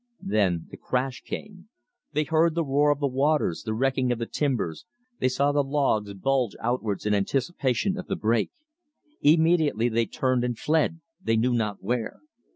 Then the crash came. They heard the roar of the waters, the wrecking of the timbers, they saw the logs bulge outwards in anticipation of the break. Immediately they turned and fled, they knew not where.